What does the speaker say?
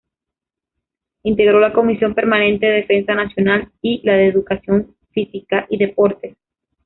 Integró la Comisión Permanente de Defensa Nacional; y la de Educación Física y Deportes.